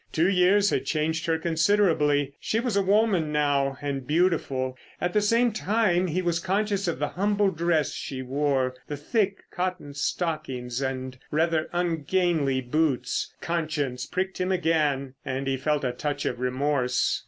Two years had changed her considerably. She was a woman now, and beautiful. At the same time he was conscious of the humble dress she wore, the thick cotton stockings, and rather ungainly boots. Conscience pricked him again, and he felt a touch of remorse.